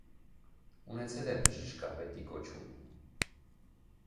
Ունեցել է բժշկապետի կոչում։